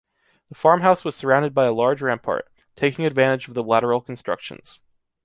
The farmhouse was surrounded by a large rampart, taking advantage of the lateral constructions.